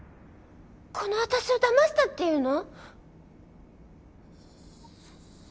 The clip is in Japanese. このわたしをだましたっていうの？